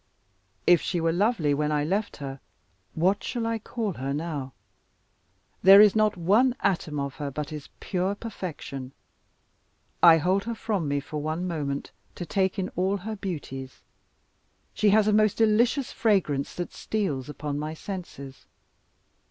If she were lovely when I left her, what shall I call her now? There is not one atom of her but is pure perfection. I hold her from me for one moment, to take in all her beauties. She has a most delicious fragrance that steals upon my senses.